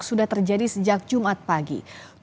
sudah terjadi sejak jumat pagi